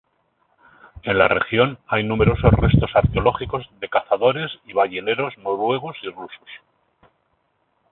En la región hay numerosos restos arqueológicos de cazadores y balleneros noruegos y rusos.